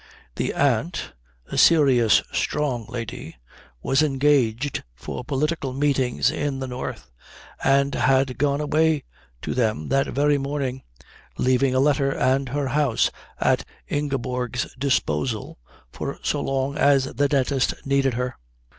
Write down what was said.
The aunt, a serious strong lady, was engaged for political meetings in the north, and had gone away to them that very morning, leaving a letter and her house at Ingeborg's disposal for so long as the dentist needed her.